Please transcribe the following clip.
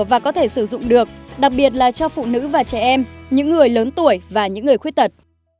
và có thể sử dụng được đặc biệt là cho phụ nữ và trẻ em những người lớn tuổi và những người khuyết tật